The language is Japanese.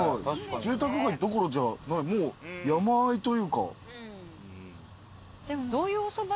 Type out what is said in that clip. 住宅街どころじゃないもう山あいというか。